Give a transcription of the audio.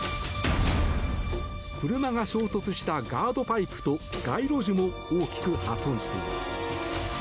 車が衝突したガードパイプと街路樹も大きく破損しています。